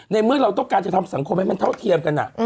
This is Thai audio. เมื่อเราต้องการจะทำสังคมให้มันเท่าเทียมกัน